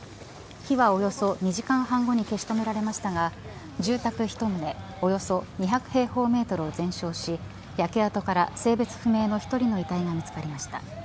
火はおよそ２時間半後に消し止められましたが住宅１棟およそ２００平方メートルを全焼し焼け跡から性別不明の１人の遺体が見つかりました。